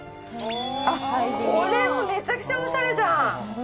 あっこれもめちゃくちゃオシャレじゃん！